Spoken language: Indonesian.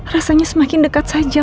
rasanya semakin dekat saja